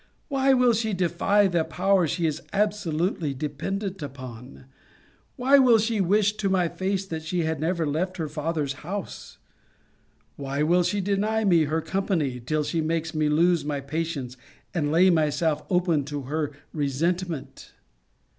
Why will she defy the power she is absolutely dependent upon? Why will she still wish to my face that she had never left her father's house? Why will she deny me her company, till she makes me lose my patience, and lay myself open to her resentment?